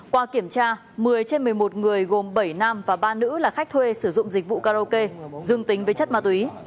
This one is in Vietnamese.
qua kiểm tra một mươi trên một mươi một người gồm bảy nam và ba nữ là khách thuê sử dụng dịch vụ karaoke dương tính với chất ma túy